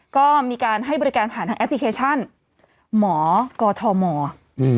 ก็มีการให้บริการผ่านทางแอปพลิเคชันหมอกอทมอืม